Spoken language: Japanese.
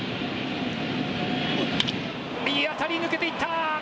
いい当たり、抜けていった！